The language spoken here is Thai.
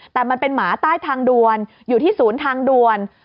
แต่มันเป็นหมาใต้ทางด่วนอยู่ที่ศูนย์ทางด่วน